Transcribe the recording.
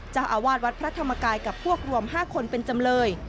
เจ้าอาวาสวัดพระธรรมกายกับพวกรวม๕คนเป็นจำเลย